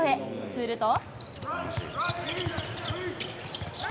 すると。